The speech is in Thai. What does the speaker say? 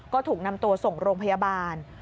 ก็ถูกนำตัวส่งโรงพยาบาล